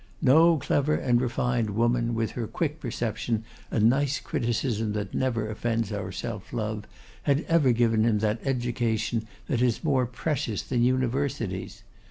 No clever and refined woman, with her quick perception, and nice criticism that never offends our self love, had ever given him that education that is more precious than Universities.